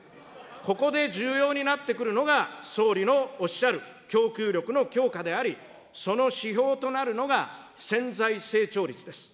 ここで重要になってくるのが、総理のおっしゃる供給力の強化であり、その指標となるのが潜在成長率です。